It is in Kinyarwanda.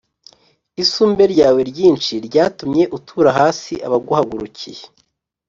isumbe ryawe ryinshi ryatumye utura hasi abaguhagurukiye,